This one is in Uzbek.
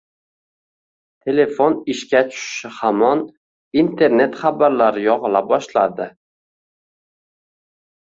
Telefon ishga tushishi hamon internet xabarlari yog`ila boshladi